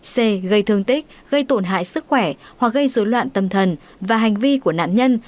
c gây thương tích gây tổn hại sức khỏe hoặc gây dối loạn tâm thần và hành vi của nạn nhân